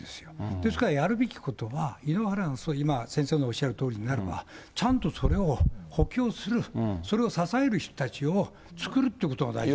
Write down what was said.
ですから、やるべきことは、井ノ原さん、今先生のおっしゃるとおりになれば、ちゃんとそれを補強する、それを支える人たちを作るっていうことが大事です。